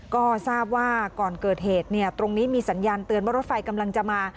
ก็ทราบว่าก่อนเกิดเหตุตรงนี้มีสัญญาณเตือนว่ารถไฟกำลังจะมา